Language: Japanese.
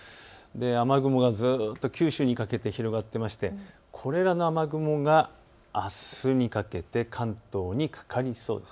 雨雲がずっと九州にかけて広がっていまして、この雨雲があすにかけて関東にかかりそうです。